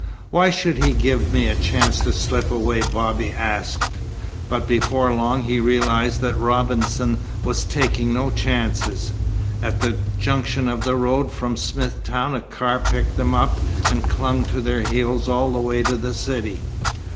"Why should he give me a chance to slip away?" Bobby asked. But before long he realized that Robinson was taking no chances. At the junction of the road from Smithtown a car picked them up and clung to their heels all the way to the city.